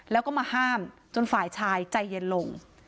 แล้วก็มาห้ามจนฝ่ายชายใจเย็นลง